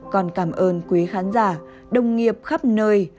còn cảm ơn quý khán giả đồng nghiệp khắp nơi